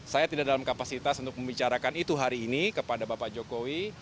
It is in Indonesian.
saya tidak dalam kapasitas untuk membicarakan itu hari ini kepada bapak jokowi